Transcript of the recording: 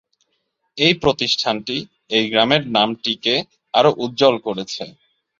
এই প্রতিষ্ঠানটি এই গ্রামের নামটি কে আরো উজ্জ্বল করেছে।